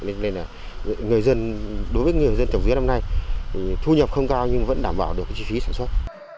nên đối với người dân tổng viên năm nay thu nhập không cao nhưng vẫn đảm bảo được chi phí sản xuất